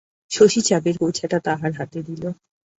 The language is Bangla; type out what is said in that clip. শশী চাবির গোছাটা তাহার হাতে দিল।